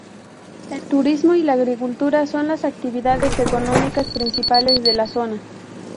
El turismo y la agricultura son las actividades económicas principales de la zona.